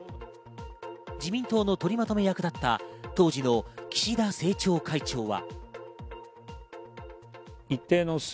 自民党の取りまとめ役だった当時の岸田政調会長は。